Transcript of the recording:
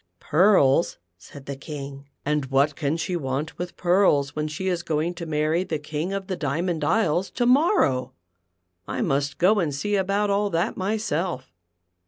"Pearls," said the King; "and what can she want with pearls when she is going to marry the King of the Diamond Isles to morrow 1 I must go and see about all that myself."